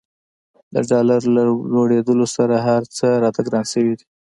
د ډالر له لوړېدولو سره هرڅه ګران شوي دي.